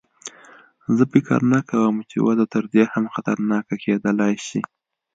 زه فکر نه کوم چې وضع تر دې هم خطرناکه کېدلای شي.